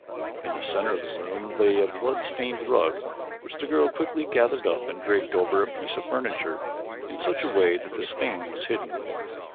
In the center of the room lay a blood stained rug which the girl quickly gathered up and draped over a piece of furniture in such a way that the stain was hidden.